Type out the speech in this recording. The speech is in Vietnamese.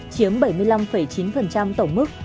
chiếm bảy mươi năm chín tổng mức